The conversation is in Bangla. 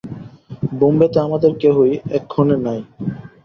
বোম্বেতে আমাদের কেহই এক্ষণে নাই।